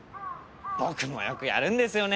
僕もよくやるんですよね。